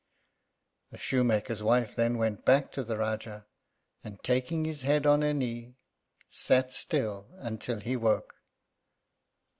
The shoemaker's wife then went back to the Rájá, and, taking his head on her knee, sat still until he woke.